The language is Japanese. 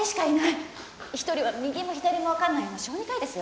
一人は右も左も分かんないような小児科医ですよ。